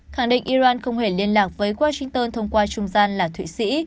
khẳng định iran không hề liên lạc với washington thông qua trung gian là thụy sĩ